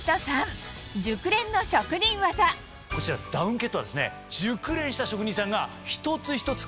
こちらダウンケットはですね。